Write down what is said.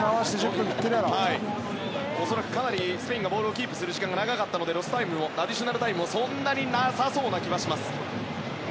恐らくスペインがボールをキープする時間が長かったのでアディショナルタイムもそんなになさそうな気はします。